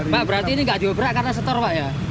pak berarti ini nggak diobrak karena setor pak ya